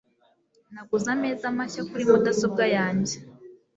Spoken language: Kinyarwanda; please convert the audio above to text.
Naguze ameza mashya kuri mudasobwa yanjye.